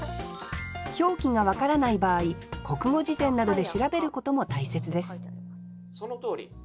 表記が分からない場合国語辞典などで調べることも大切です